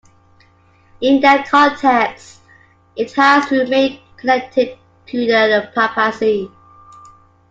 In that context, it has remained connected to the Papacy.